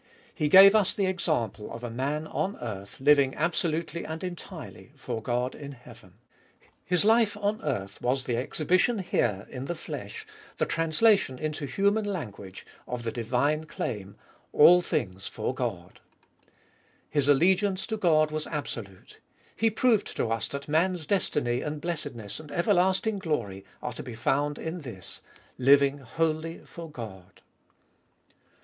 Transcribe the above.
He gave us the example of a man on earth living absolutely and entirely for God in heaven. His life on earth was the exhibition here in the flesh, the translation into human language, of the divine claim —" All things for God" His allegiance to God was absolute. He proved to us that man's destiny and blessedness and ever lasting glory are to be found in this : Living wholly for God.